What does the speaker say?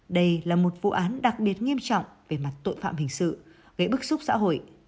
đây là một vụ án đặc biệt nghiêm trọng về mặt tội phạm hình sự gây bức xúc xã hội